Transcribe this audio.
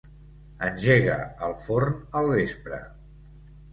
Engega el forn al vespre.